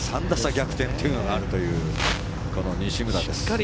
３打差逆転というのがあるというこの西村です。